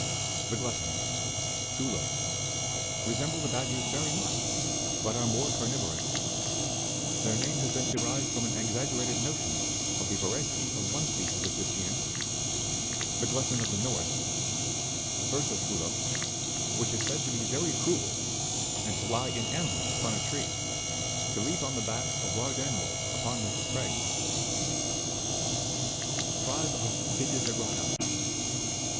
The Gluttons Guh (Plate 2,/#. 15.) resemble the Bad gers very much, but are more carnivorous : their name has been derived from an exaggerated notion of the voracity of one species of this genus, the Glutton of the North Ursus Gulo which is said to be very cruel, and to lie in ambush upon a tree, to leap on the backs of large animals upon which it preys. Tribe of Digiligrada.